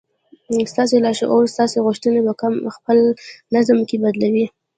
ستاسې لاشعور ستاسې غوښتنې په خپل نظام کې بدلوي.